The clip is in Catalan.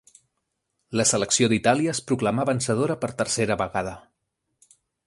La selecció d'Itàlia es proclamà vencedora per tercera vegada.